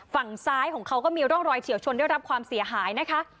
ฝั่งซ้ายของเขาก็มีร่องรอยเฉียวชนได้รับความเสียหายนะคะ